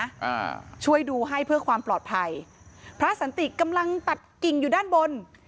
อ่าช่วยดูให้เพื่อความปลอดภัยพระสันติกำลังตัดกิ่งอยู่ด้านบน